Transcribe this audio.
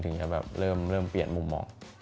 แบบเริ่มเปลี่ยนมุมมอง